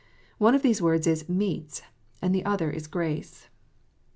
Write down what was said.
One of these words is " meats," and the other is "grace."